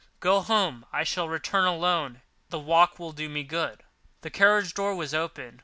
Go home; I shall return alone; the walk will do me good." The carriage door was open.